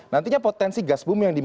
nantinya potensi gas bumi yang dibuat